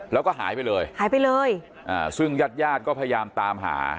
แล้วก็หายไปเลยหายไปเลยอ่าซึ่งญาติญาติก็พยายามตามหา